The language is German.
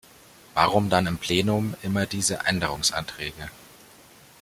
Warum dann im Plenum immer diese Änderungsanträge?